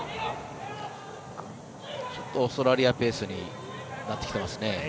ちょっとオーストラリアペースになってきてますね。